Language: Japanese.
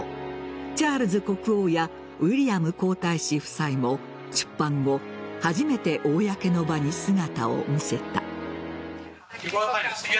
チャールズ国王やウィリアム皇太子夫妻も出版後初めて公の場に姿を見せた。